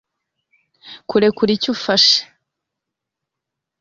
kurekuricyo ufashe